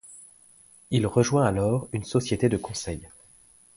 Il rejoint alors une société de conseil.